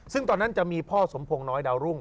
ซึ่งตอนนั้นจะมีพ่อสมพงษ์น้อยดาวรุ่ง